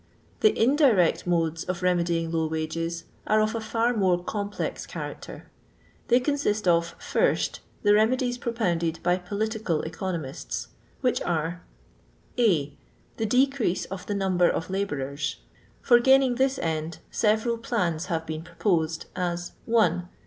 The indirect modes of remedying low wages are of a fitf more complex character. They consist of, first, the remedies propounded by political econo mists, which are — A. Tki decrease of the number of labourers; for gaining this end several plans have been proposed, as — 1.